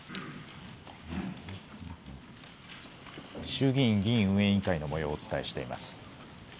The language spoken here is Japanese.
衆議院議院運営委員会のもようをお伝えしています。